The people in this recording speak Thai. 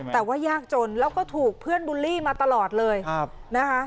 แต่ว่ายากจนแล้วก็ถูกเพื่อนบูลลี่มาตลอดเลยนะคะ